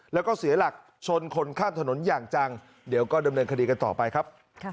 แล้วก็เสียหลักชนคนข้ามถนนอย่างจังเดี๋ยวก็ดำเนินคดีกันต่อไปครับ